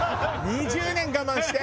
２０年我慢して！